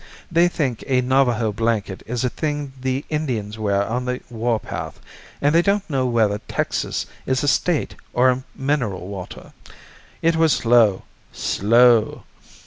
They think a Navajo blanket is a thing the Indians wear on the war path, and they don't know whether Texas is a state, or a mineral water. It was slow slow.